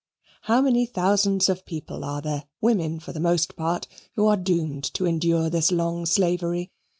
How many thousands of people are there, women for the most part, who are doomed to endure this long slavery?